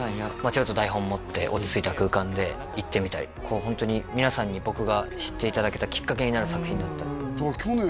ちょっと台本持って落ち着いた空間で行ってみたりこうホントに皆さんに僕が知っていただけたきっかけになる作品だった去年？